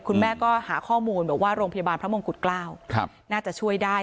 คุณแม่ก็หาข้อมูลบอกว่าโรงพยาบาลพระมงกุฎเกล้าน่าจะช่วยได้